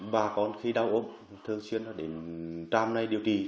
bà con khi đau ốm thường xuyên đến trạm này điều trị